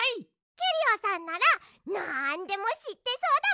キュリオさんならなんでもしってそうだもんね。